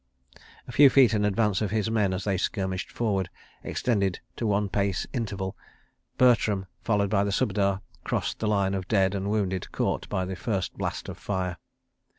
... A few feet in advance of his men as they skirmished forward, extended to one pace interval, Bertram, followed by the Subedar, crossed the line of dead and wounded caught by the first blast of fire.